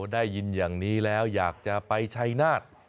ได้ยินอย่างนี้แล้วอยากจะไปชัยนาฏ